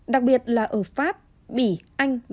đặc biệt là ở pháp bỉ anh